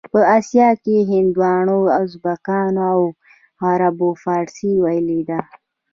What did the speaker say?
په اسیا کې هندوانو، ازبکانو او عربو فارسي ویلې ده.